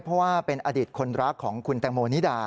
เพราะว่าเป็นอดีตคนรักของคุณแตงโมนิดา